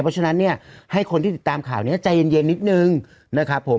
เพราะฉะนั้นเนี่ยให้คนที่ติดตามข่าวนี้ใจเย็นนิดนึงนะครับผม